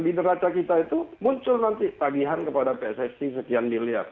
di neraca kita itu muncul nanti tagihan kepada pssi sekian miliar